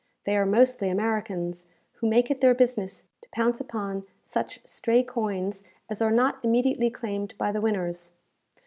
They are mostly Americans, who make it their business to pounce upon such stray coins, as are not immediately claimed by the winners.